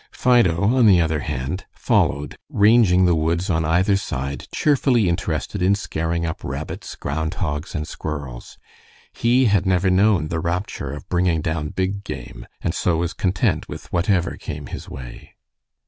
Fido, on the other hand, followed, ranging the woods on either side, cheerfully interested in scaring up rabbits, ground hogs, and squirrels. He had never known the rapture of bringing down big game, and so was content with whatever came his way.